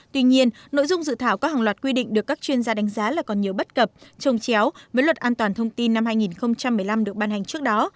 tuy nhiên nội dung dự thảo có hàng loạt quy định được các chuyên gia đánh giá là còn nhiều bất cập trông chéo với luật an toàn thông tin năm hai nghìn một mươi năm được ban hành trước đó